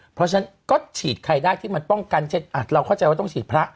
เพราะฉะนั้นก็ฉีดใครได้ที่มันป้องกันเช่นเราเข้าใจว่าต้องฉีดพระ